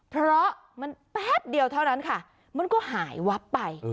เพราะมันแป๊บเดียวเท่านั้นค่ะมันก็หายวับไป